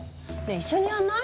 一緒にやんない？